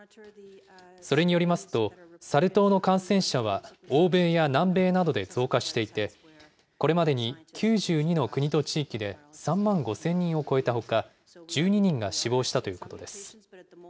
それによりますと、サル痘の感染者は欧米や南米などで増加していて、これまでに９２の国と地域で３万５０００人を超えたほか、１２人が死亡したということです。